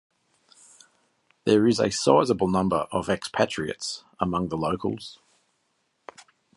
There is a sizeable number of expatriates among the locals.